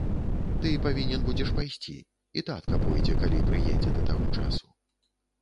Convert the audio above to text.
Ты павінен будзеш пайсці, і татка пойдзе, калі прыедзе да таго часу.